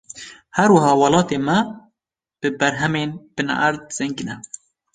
Her wiha welatê me bi berhemên binerd zengîn e.